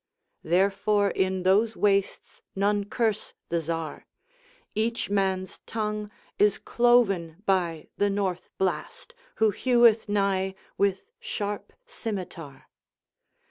Therefore, in those wastesNone curse the Czar.Each man's tongue is cloven byThe North Blast, who heweth nighWith sharp scymitar.